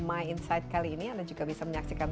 my insight kali ini anda juga bisa menyaksikan